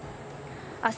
明日